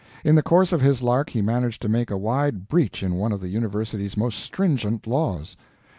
In the course of his lark he managed to make a wide breach in one of the university's most stringent laws.